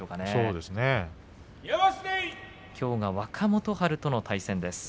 きょうは若元春との対戦です。